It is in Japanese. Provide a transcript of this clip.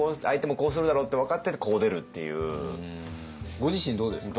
ご自身どうですか？